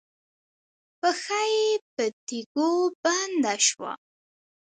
پښه یې په تيږو بنده شوه.